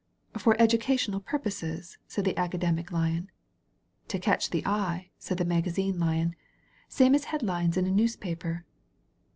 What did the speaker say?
"For educational purposes," said the Academic Lion. "To catch the eye," said the Magazine Lion, "same as head lines in a newspaper."